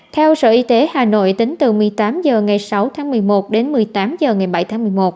theo sở y tế hà nội tính từ một mươi tám h ngày sáu tháng một mươi một đến một mươi tám h ngày bảy tháng một mươi một